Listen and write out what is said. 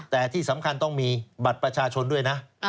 แต่ที่สำคัญต้องมีบัตรประชาชนด้วยนะ